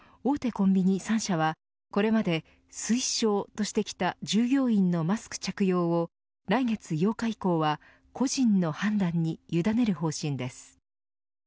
コンビニ３社はこれまで推奨としてきた従業員のマスク着用を来月８日以降は個人の判断に委ねる方針です。